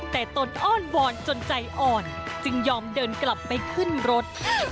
แต่ตนอ้อนวอนจนใจอ่อนจึงยอมเดินกลับไปขึ้นรถ